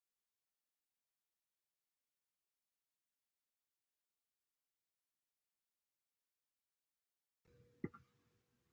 Alternatively, by making oil companies pay for externalities.